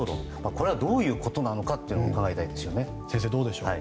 これはどういうことなのかを伺いたいんですよね。